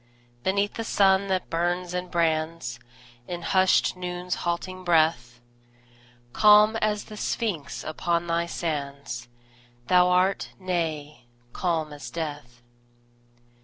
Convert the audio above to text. Beneath the sun that burns and brands In hushed Noon's halting breath, Calm as the Sphinx upon thy sands Thou art nay, calm as death.